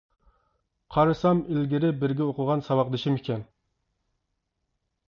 قارىسام، ئىلگىرى بىرگە ئوقۇغان ساۋاقدىشىم ئىكەن.